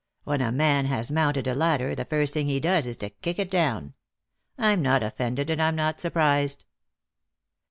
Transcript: When a man. has mounted a ladder, the first thing he does is to kick it down. I'm not offended, and I'm not surprised."